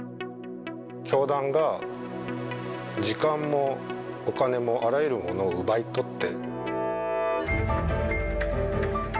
教団が時間もお金もあらゆるものを奪い取って。